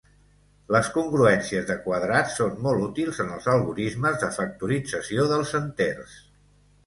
Les congruències de quadrats són molt útils en els algorismes de factorització dels enters.